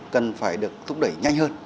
cần phải được thúc đẩy nhanh hơn